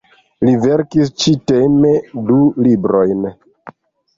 Li verkis ĉi-teme du librojn.